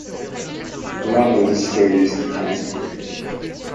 The radomes are still used intensively.